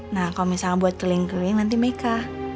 nah kalau misalkan buat keling keling nanti meka